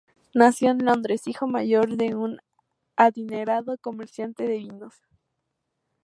Nació en Londres, hijo mayor de un adinerado comerciante de vinos.